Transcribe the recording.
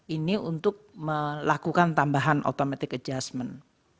ini untuk melakukan tambahan automatic adjustment